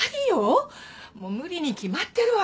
もう無理に決まってるわよ。